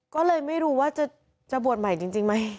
ก็เลยไม่รู้ว่าจะบวชใหม่จริงไหม